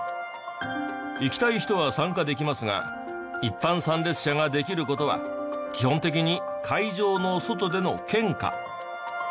行きたい人は参加できますが一般参列者ができる事は基本的に会場の外での献花。